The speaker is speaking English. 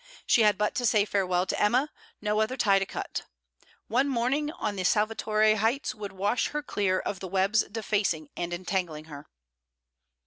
She had but to say farewell to Emma, no other tie to cut! One morning on the Salvatore heights would wash her clear of the webs defacing and entangling her.